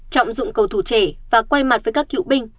trọng dụng cầu thủ trẻ và quay mặt với các cựu binh